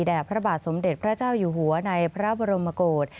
พระบาทสมเด็จพระเจ้าอยู่หัวในพระบรมโกศ